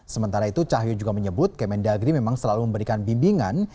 sementara itu cahyo juga menyebut kemendagri memang selalu memberikan bimbingan